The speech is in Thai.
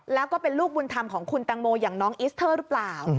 แล้วก็เป็นลูกบุญธรรมของคุณตังโมอย่างน้องอิสเตอร์หรือเปล่า